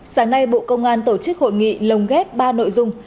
sáng nay bộ công an tổ chức hội nghị lồng ghép ba nội dung